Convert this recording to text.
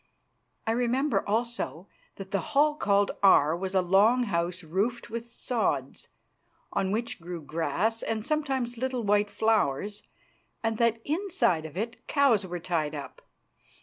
I remember also that the hall called Aar was a long house roofed with sods, on which grew grass and sometimes little white flowers, and that inside of it cows were tied up.